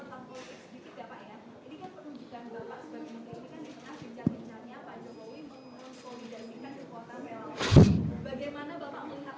kemudian pertanyaan yang kedua pak tentang politik sedikit ya pak ya ini kan penunjukan bapak sebagai penduduk